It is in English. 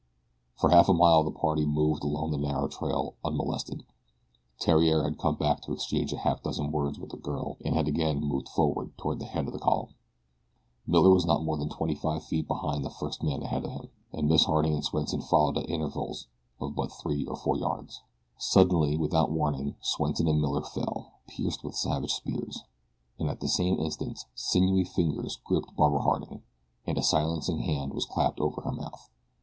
For half a mile the party moved along the narrow trail unmolested. Theriere had come back to exchange a half dozen words with the girl and had again moved forward toward the head of the column. Miller was not more than twenty five feet behind the first man ahead of him, and Miss Harding and Swenson followed at intervals of but three or four yards. Suddenly, without warning, Swenson and Miller fell, pierced with savage spears, and at the same instant sinewy fingers gripped Barbara Harding, and a silencing hand was clapped over her mouth.